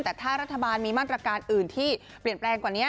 แต่ถ้ารัฐบาลมีมาตรการอื่นที่เปลี่ยนแปลงกว่านี้